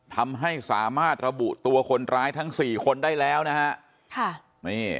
ทำให้สามารถระบุตัวคนร้ายทั้ง๔คนได้แล้วนะฮะ